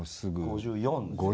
５４ですね。